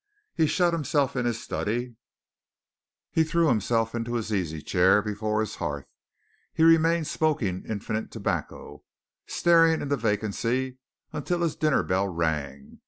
He shut himself in his study; he threw himself into his easy chair before his hearth; he remained smoking infinite tobacco, staring into vacancy, until his dinner bell rang.